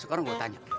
sekarang gua tanya